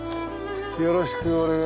よろしくお願いします。